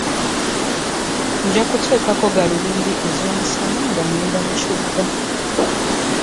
Njakutekako ggalubindi ezomusana ngangeda mukibuga.